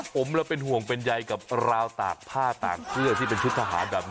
ผมเราเป็นห่วงเป็นใยกับราวตากผ้าตากเสื้อที่เป็นชุดทหารแบบนี้